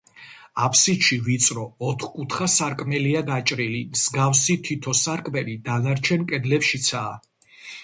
აფსიდში ვიწრო, ოთხკუთხა სარკმელია გაჭრილი, მსგავსი თითო სარკმელი დანარჩენ კედლებშიცაა.